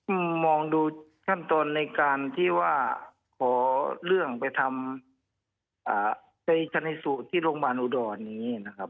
อืมมองดูขั้นตอนในการที่ว่าขอเรื่องไปทำอ่าไปชนสูตรที่โรงพยาบาลอุดรนี้นะครับ